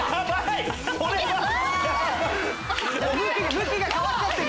向きが変わっちゃってる！